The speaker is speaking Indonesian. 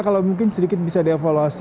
dika kalau mungkin sedikit bisa diavaluasi